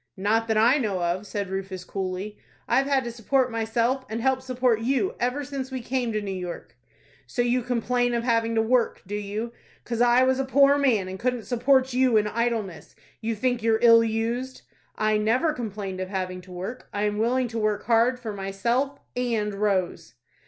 "Not that I know of," said Rufus, coolly. "I've had to support myself, and help support you, ever since we came to New York." "So you complain of having to work, do you? 'Cause I was a poor man, and couldn't support you in idleness, you think you're ill used." "I never complained of having to work. I am willing to work hard for myself—and Rose."